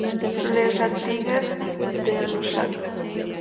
Les Artigues-de-Lussac